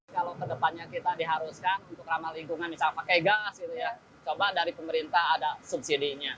kalau kedepannya kita diharuskan untuk ramah lingkungan misalnya pakai gas gitu ya coba dari pemerintah ada subsidinya